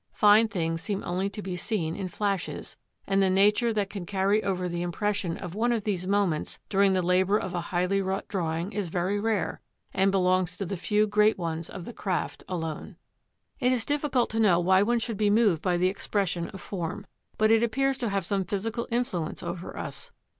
Fine things seem only to be seen in flashes, and the nature that can carry over the impression of one of these moments during the labour of a highly wrought drawing is very rare, and belongs to the few great ones of the craft alone. It is difficult to know why one should be moved by the expression of form; but it appears to have some physical influence over us.